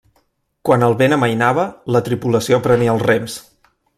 Quan el vent amainava, la tripulació prenia els rems.